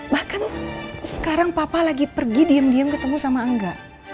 bahkan sekarang papa lagi pergi diem diem ketemu sama enggak